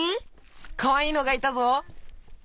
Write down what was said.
かわいいのがいたぞ。